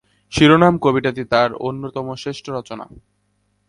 শিরোনাম কবিতাটি তাঁর অন্যতম শ্রেষ্ঠ রচনা।